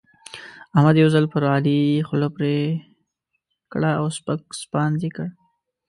احمد یو ځل پر علي خوله پرې کړه او سپک سپاند يې کړ.